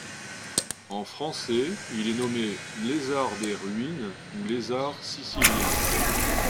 En français il est nommé Lézard des ruines ou Lézard sicilien.